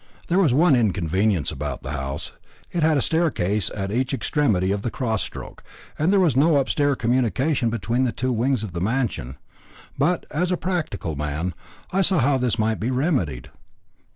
There was one inconvenience about the house; it had a staircase at each extremity of the cross stroke, and there was no upstair communication between the two wings of the mansion. But, as a practical man, I saw how this might be remedied.